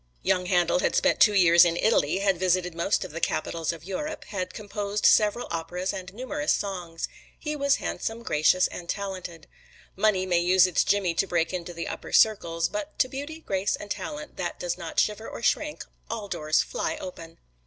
Young Handel had spent two years in Italy, had visited most of the capitals of Europe, had composed several operas and numerous songs. He was handsome, gracious and talented. Money may use its jimmy to break into the Upper Circles; but to Beauty, Grace and Talent that does not shiver nor shrink, all doors fly open.